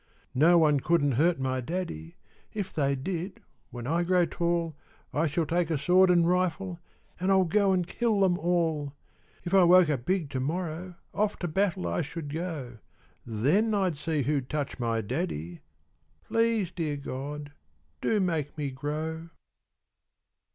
No one couldn't hurt my daddy; If they did, when I grow tall, I shall take a sword and rifle, An' I'll go and kill them all. If I woke up big to morrow, Off to battle I should go; Then I'd see who'd touch my daddy Please, dear God, do make me grow!